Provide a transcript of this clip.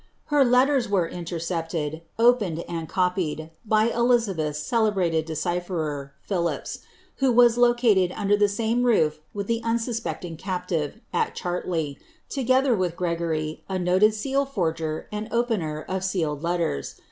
Her letters were intercepted, opened, and copied, by Elizabeth's cele brated decipherer, Phillips, who was located under the same roof with the unsuspecting captive, at Chartley, together with Gregory, a noted seal forger and opener of sealed letters.